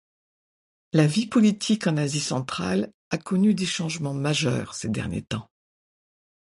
La vie politique en Asie centrale a connu des changements majeurs ces derniers temps.